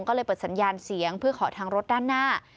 ก็เลยเปิดสัญญาณเสียงเพื่อขอทางรถด้านหน้า